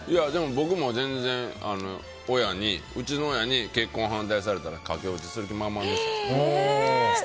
僕も全然、うちの親に結婚反対されたら駆け落ちする気満々でしたよ。